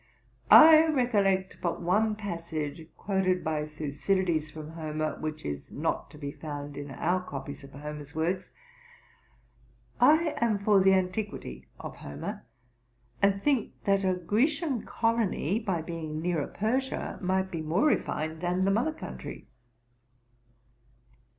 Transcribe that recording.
'I recollect but one passage quoted by Thucydides from Homer, which is not to be found in our copies of Homer's works; I am for the antiquity of Homer, and think that a Grecian colony, by being nearer Persia, might be more refined than the mother country.'